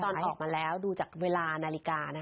ออกมาแล้วดูจากเวลานาฬิกา